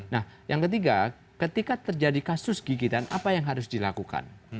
nah yang ketiga ketika terjadi kasus gigitan apa yang harus dilakukan